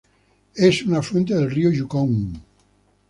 Es un afluente del río Yukón.